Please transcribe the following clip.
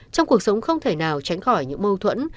trong cuộc sống không thể nào tránh khỏi những mâu thuẫn